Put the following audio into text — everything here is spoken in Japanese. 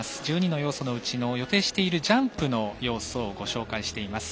１２の要素のうちの予定しているジャンプの要素をご紹介しています。